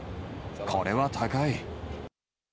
これは高い。